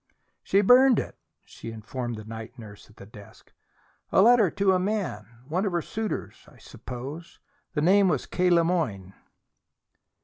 "She burned it," she informed the night nurse at her desk. "A letter to a man one of her suitors, I suppose. The name was K. Le Moyne."